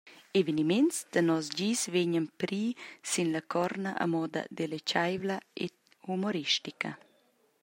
Eveniments da nos dis vegnan pri sin la corna a moda deletgeivla ed humoristica.